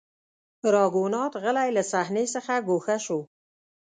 راګونات غلی له صحنې څخه ګوښه شو.